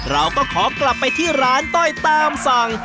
เราก็ขอกลับไปที่ร้านต้อยตามสั่ง